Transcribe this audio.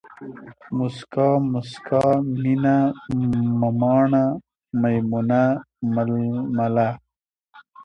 موسکا ، مُسکا، مينه ، مماڼه ، ميمونه ، ململه